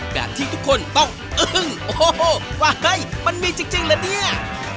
แบบที่ทุกคนต้องเอิ้งโอ้โหว้ายมันมีจริงแล้วเนี่ย